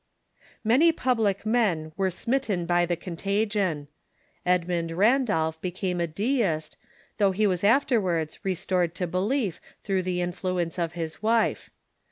Many public men were smitten by the contagion. Edmund Randolph became a Deist, though he was afterwards restored to belief through the influence of his wife.